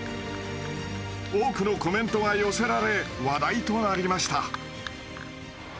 多くのコメントが寄せられ話題となりました。